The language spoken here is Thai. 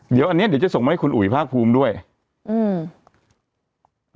เดี๋ยวอันเนี้ยเดี๋ยวจะส่งมาให้คุณอุ๋ยภาคภูมิด้วยอืม